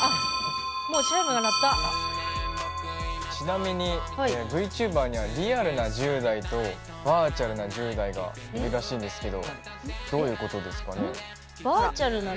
ちなみにＶＴｕｂｅｒにはリアルな１０代とバーチャルな１０代がいるらしいんですけどどういうことですかね。